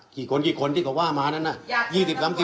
กี่คนกี่คนที่เขาว่ามานั้นน่ะ